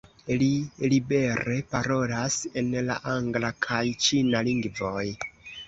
Li libere parolas en la angla kaj ĉina lingvoj.